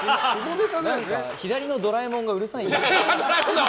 左のドラえもんがうるさいんですけど。